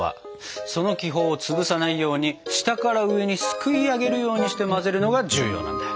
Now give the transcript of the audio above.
その気泡を潰さないように下から上にすくいあげるようにして混ぜるのが重要なんだ。